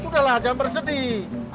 sudahlah jangan bersedih